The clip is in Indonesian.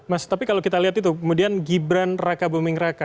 mas tapi kalau kita lihat itu kemudian gibran raka buming raka